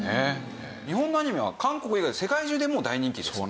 日本のアニメは韓国以外世界中でもう大人気ですもんね。